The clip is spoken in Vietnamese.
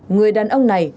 người đàn ông này